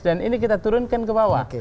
dan ini kita turunkan ke bawah